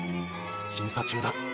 審査中だ。